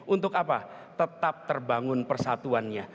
untuk apa tetap terbangun persatuannya